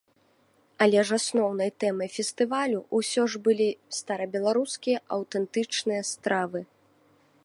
Але ж асноўнай тэмай фестывалю ўсё ж былі старабеларускія аўтэнтычныя стравы.